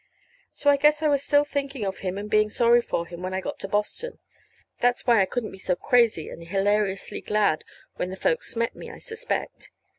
And so I guess I was still thinking of him and being sorry for him when I got to Boston. That's why I couldn't be so crazy and hilariously glad when the folks met me, I suspect.